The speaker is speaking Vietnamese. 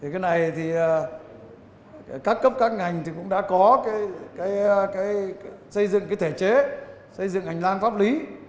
cái này các cấp các ngành cũng đã có xây dựng thể chế xây dựng ảnh lan pháp lý